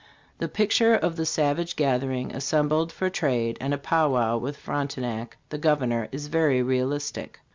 The picture of the savage gathering assembled for trade and a pow wow with Fronte nac, the governor, is very realistic.